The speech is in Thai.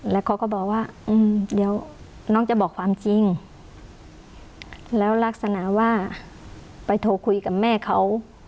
แล้วเขาก็บอกว่าเดี๋ยวน้องจะบอกความจริงแล้วลักษณะว่าไปโทรคุยกับแม่เขา